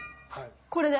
これで。